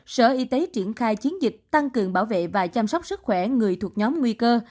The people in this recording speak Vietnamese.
sở y tế triển khai chiến dịch tăng cường bảo vệ và chăm sóc sức khỏe người thuộc nhóm nguy cơ